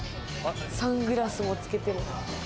サングラスもつけて。